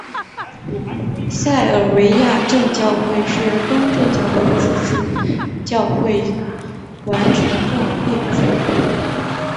塞尔维亚正教会是与东正教自治教会完全共融的一部分。